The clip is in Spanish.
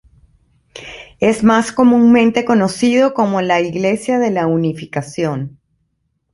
Es más comúnmente conocido como la Iglesia de la Unificación.